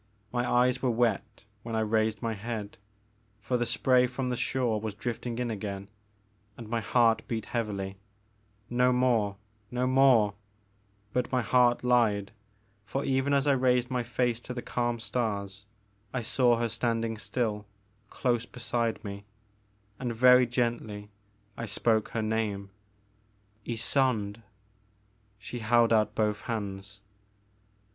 My eyes were wet when I raised my head, — ^for the spray from the shore was drifting in again, — and my heart beat heavily ;No more, no more, '' But my heart lied, for even as I raised my face to the calm stars, I saw her standing still, close beside me ; and very gently I spoke her name, Ysonde. She held out both hands.